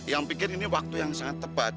yang pikir ini waktu yang sangat tepat